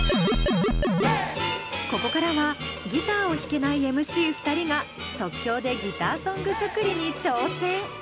ここからはギターを弾けないＭＣ２人が即興でギターソング作りに挑戦！